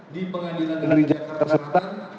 di pengadilan negeri jakarta selatan